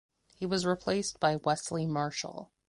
He was replaced by Wesley Marshall.